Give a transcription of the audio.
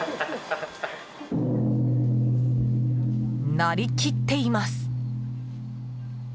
なりきっています。